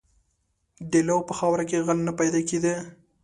• د لو په خاوره کې غل نه پیدا کېده.